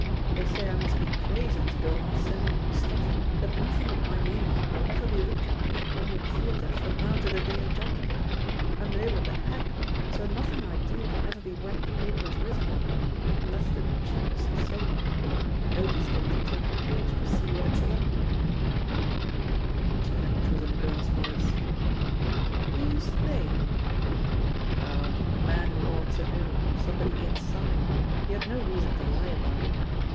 They say I must be crazy to go on sending my stuff, that nothing with my name on it will ever be looked at in a London theatre from now to the Day of Judg ment. I'm labelled a 'hack,' so nothing I do can ever be worth the paper it's written on — ^and that's the cheapest sold; nobody's going to turn a page to see what it's like I" 280 THE POSITION OF PEGGY HARPER Challenge was in the girl's voice. "Who's 'they'r* "Oh, a man who ought to know; somebody 'inside'; he had no reason to lie about it.